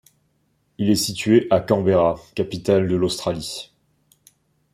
Il est situé à Canberra, capitale de l'Australie.